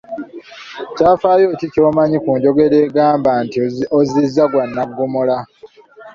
Kyafaayo ki ky'omanyi ku njogera egamba nti ozzizza gwa nnaggomola?